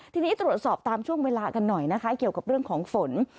ทีนี้ตรวจสอบตามช่วงเวลากันหน่อยนะคะเกี่ยวกับเรื่องของฝน